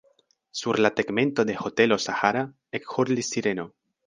Sur la tegmento de Hotelo Sahara ekhurlis sireno.